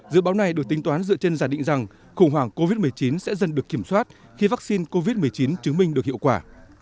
dự báo này được tính toán dựa trên giả định rằng khủng hoảng covid một mươi chín sẽ dần được kiểm soát khi vaccine covid một mươi chín chứng minh được hiệu quả